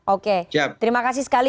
oke terima kasih sekali